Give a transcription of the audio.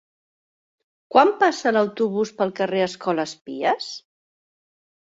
Quan passa l'autobús pel carrer Escoles Pies?